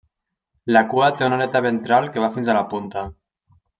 La cua té una aleta ventral que va fins a la punta.